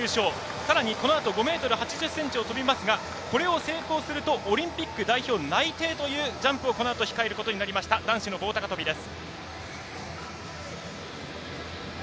さらにこのあと５ｍ８０ｃｍを跳びますがこれを成功するとオリンピック代表内定というジャンプを控えることになりました男子の棒高跳びです。